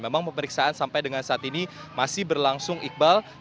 memang pemeriksaan sampai dengan saat ini masih berlangsung iqbal